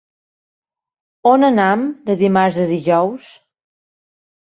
On anem de dimarts a dijous?